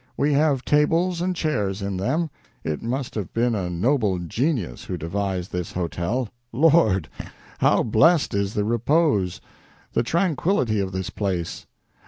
We have tables and chairs in them .... It must have been a noble genius who devised this hotel. Lord! how blessed is the repose, the tranquillity of this place!